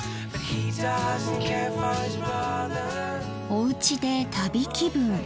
おうちで旅気分。